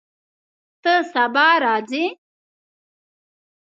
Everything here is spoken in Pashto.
ته سبا راځې؟